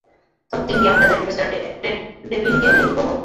ততদিন কি আমি যথারীতি মিঃ ডেভলিনকে রিপোর্ট করব?